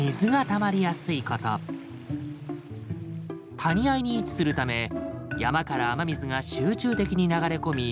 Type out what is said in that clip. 谷間に位置するため山から雨水が集中的に流れ込み